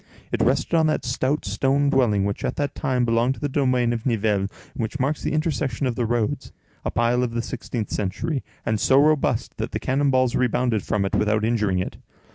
It rested on that stout stone dwelling which at that time belonged to the domain of Nivelles, and which marks the intersection of the roads—a pile of the sixteenth century, and so robust that the cannon balls rebounded from it without injuring it.